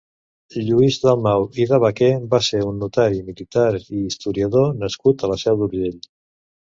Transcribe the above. Lluís Dalmau i de Baquer va ser un notari, militar i historiador nascut a la Seu d'Urgell.